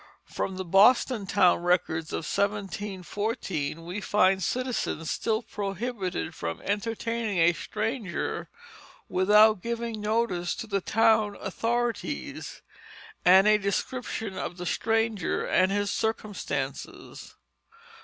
From the Boston Town Records of 1714 we find citizens still prohibited from entertaining a stranger without giving notice to the town authorities, and a description of the stranger and his circumstances.